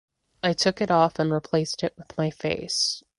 I took it off and replaced it with my face.